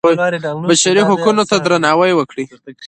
بشري حقونو ته درناوی وکړئ